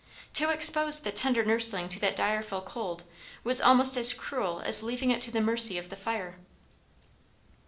To expose the tender nursling to that direful cold was almost as cruel as leaving it to the mercy of the fire.